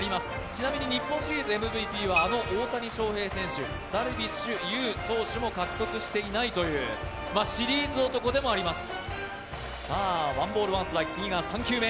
ちなみに日本シリーズＭＶＰは、あの大谷翔平選手、ダルビッシュ有投手も獲得していないというシリーズ男でもあります。